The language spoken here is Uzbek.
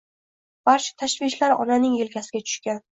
Barcha tashvishlar onaning elkasiga tushgan